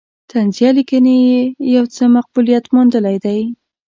طنزیه لیکنې یې یو څه مقبولیت موندلی دی.